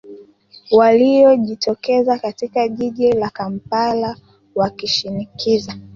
waliojitokeza katika jiji la kampala wakishinikiza